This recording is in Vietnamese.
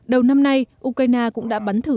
đầu năm nay ukraine cũng đã bắn thử